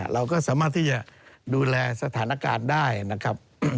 เราก็สามารถที่จะดูแลสถานการณ์ได้นะครับ